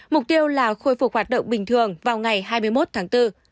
mục tiêu là khôi phục hoạt động bình thường vào ngày hai mươi một tháng bốn